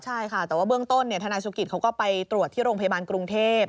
ใช่ค่ะแต่ว่าเบื้องต้นธนายสุกิตเขาก็ไปตรวจที่โรงพยาบาลกรุงเทพ